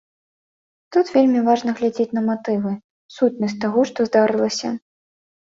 Тут вельмі важна глядзець на матывы, сутнасць таго, што здарылася.